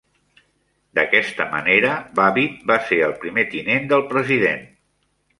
D"aquesta manera, Babbitt va ser el primer tinent del president.